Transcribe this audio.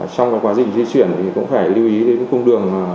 trong cái quá trình di chuyển thì cũng phải lưu ý đến cái cung đường